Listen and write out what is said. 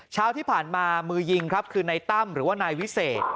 เช้าที่ผ่านมามือยิงครับคือนายตั้มหรือว่านายวิเศษ